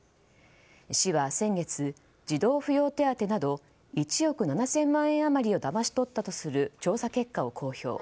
市は先月、児童扶養手当など１億７０００万円余りをだまし取ったとする調査結果を公表。